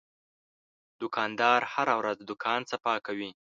دوکاندار هره ورځ دوکان صفا کوي.